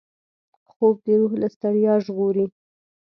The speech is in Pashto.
خوب د روح له ستړیا ژغوري